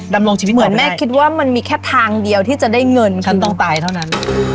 ดำรงชีวิตเหมือนแม่คิดว่ามันมีแค่ทางเดียวที่จะได้เงินฉันต้องตายเท่านั้น